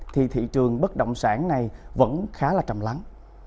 thì thị trường bất động sản này vẫn khá là chầm lắng